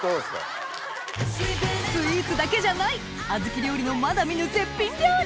スイーツだけじゃない小豆料理のまだ見ぬ絶品料理！